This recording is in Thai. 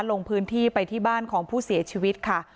ลงพื้นที่ไปที่บ้านของผู้เสียชีวิตค่ะ